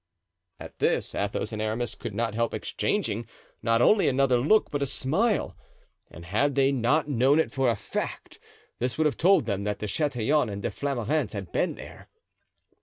At this Athos and Aramis could not help exchanging not only a look but a smile; and had they not known it for a fact, this would have told them that De Chatillon and De Flamarens had been there.